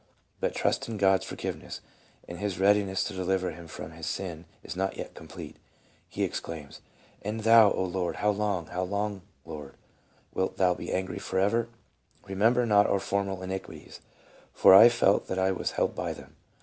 But trust in God's forgiveness, and in His readiness to deliver him from his sin is not yet complete. He exclaims :'' 'And Thou, O Lord — how long ? how long, Lord, wilt thou be angry, forever 1 Bemember not our former iniquities,' for I felt that I was held by them.